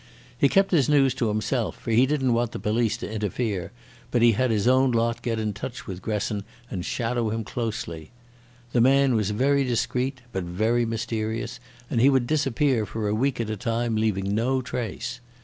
He kept his news to himself, for he didn't want the police to interfere, but he had his own lot get into touch with Gresson and shadow him closely. The man was very discreet but very mysterious, and he would disappear for a week at a time, leaving no trace.